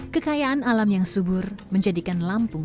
kekayaan alam yang subur menjadikan lampung